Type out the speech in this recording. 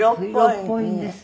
色っぽいんです。